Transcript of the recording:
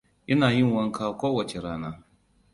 Ina yin wanka ko wacce rana.